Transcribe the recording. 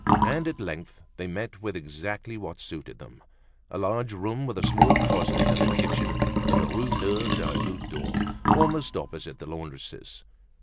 And at length they met with exactly what suited them, a large room with a small closet and a kitchen, in the Rue Neuve de la Goutte d'Or, almost opposite the laundress's.